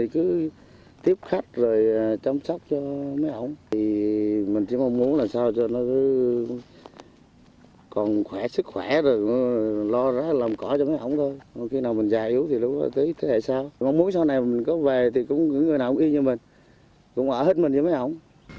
cũng có những người nào cũng y như mình cũng ở hết mình như mấy ông